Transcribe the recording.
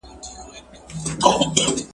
ستا تر پښو دي صدقه سر د هامان وي !.